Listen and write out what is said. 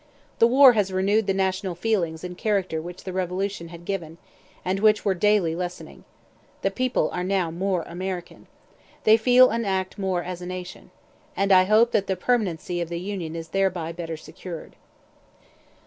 The war has renewed the national feelings and character which the Revolution had given, and which were daily lessening. The people are now more American. They feel and act more as a nation. And I hope that the permanency of the Union is thereby better secured.